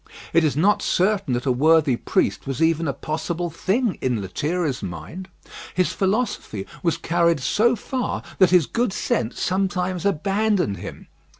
It is not certain that a worthy priest was even a possible thing in Lethierry's mind. His philosophy was carried so far that his good sense sometimes abandoned him.